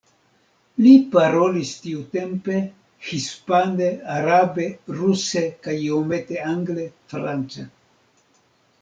Li parolis tiutempe hispane, arabe, ruse kaj iomete angle, france.